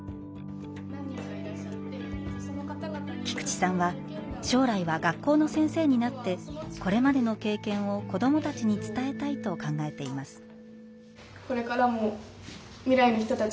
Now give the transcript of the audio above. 菊池さんは将来は学校の先生になってこれまでの経験を子どもたちに伝えたいと考えています。